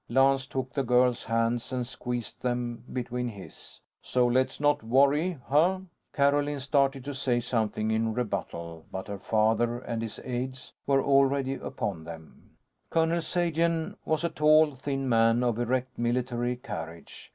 Lance took the girl's hands and squeezed them between his. "So let's not worry, huh?" Carolyn started to say something in rebuttal, but her father and his aides were already upon them. Colonel Sagen was a tall thin man of erect military carriage.